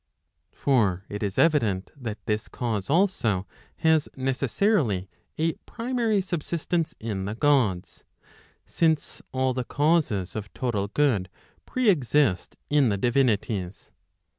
For it is evident that this cause also has necessarily a primary subsist¬ ence in the Gods; since all the causes of total good preexist in the divinities.